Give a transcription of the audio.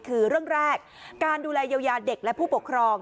คือเรื่องแรกการดูแลเยียวยาเด็กและผู้ปกครอง